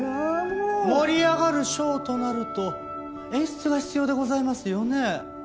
盛り上がるショーとなると演出が必要でございますよね。